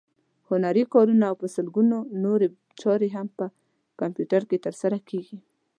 هنري کارونه او په سلګونو نورې چارې هم په کمپیوټر کې ترسره کېږي.